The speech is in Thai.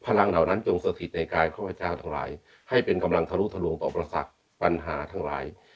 พลังเหล่านั้นจงสติศิษฐ์ในกายพระพัชฌาตำรายให้เป็นกำลังทะลุทะลวงต่อปรศักดิ์ปัญหาทั้งหลาย